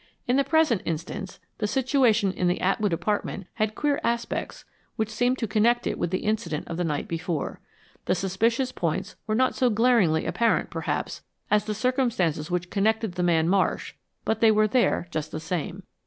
In the present instance, the situation in the Atwood apartment had queer aspects which seemed to connect it with the incident of the night before. The suspicious points were not so glaringly apparent, perhaps, as the circumstances which connected the man Marsh, but they were there just the same.